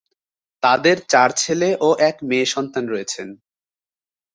তাদের চার ছেলে ও এক মেয়ে সন্তান রয়েছেন।